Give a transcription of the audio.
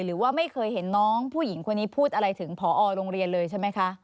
หรือว่าไม่เคยเห็นน้องผู้หญิงคนนี้พูดอะไรถึงผอโรงเรียนเลยใช่ไหมคะ